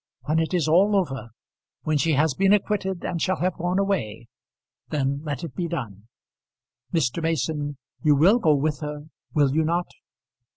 "When it is all over, when she has been acquitted and shall have gone away, then let it be done. Mr. Mason, you will go with her; will you not?"